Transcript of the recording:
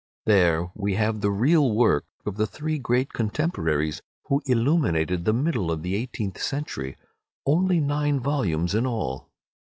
There we have the real work of the three great contemporaries who illuminated the middle of the eighteenth century—only nine volumes in all.